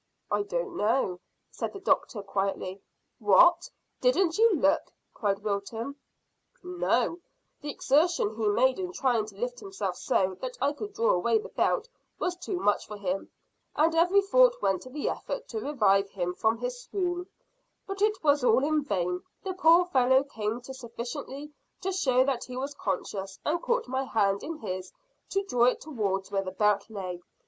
"I don't know," said the doctor quietly. "What, didn't you look?" cried Wilton. "No; the exertion he made in trying to lift himself so that I could draw away the belt was too much for him, and every thought went to the effort to revive him from his swoon; but it was all in vain, the poor fellow came to sufficiently to show that he was conscious, and caught my hand in his to draw it towards where the belt lay.